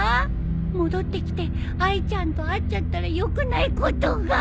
戻ってきてあいちゃんと会っちゃったらよくないことが